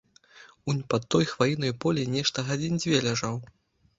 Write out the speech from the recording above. Унь пад той хваінай у полі нешта гадзін дзве ляжаў.